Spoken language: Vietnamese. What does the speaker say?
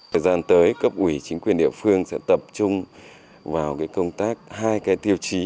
thời gian tới cấp ủy chính quyền địa phương sẽ tập trung vào công tác hai tiêu chí